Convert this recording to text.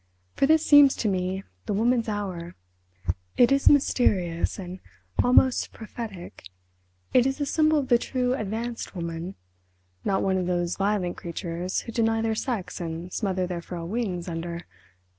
For this seems to me the woman's hour. It is mysterious and almost prophetic, it is the symbol of the true advanced woman: not one of those violent creatures who deny their sex and smother their frail wings under...